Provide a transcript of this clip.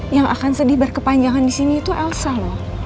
yang akan sedih berkepanjangan disini itu elsa loh